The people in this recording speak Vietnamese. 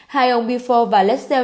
hai ông bifor và lessell